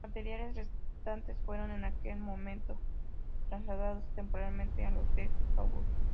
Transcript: Los materiales restantes fueron en aquel momento trasladados temporalmente al Hotel Kabul.